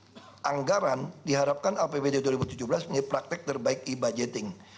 dan anggaran diharapkan apbd dua ribu tujuh belas punya praktek terbaik e budgeting